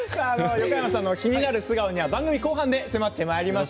横山さんの気になる素顔には番組後半で迫ります。